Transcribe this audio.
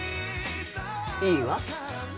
いいわ。